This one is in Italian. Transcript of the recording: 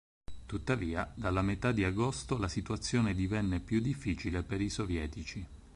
Tuttavia dalla metà di agosto la situazione divenne più difficile per i sovietici.